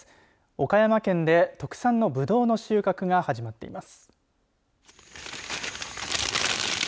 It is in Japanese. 岡山県で特産のぶどうの収穫が始まっています。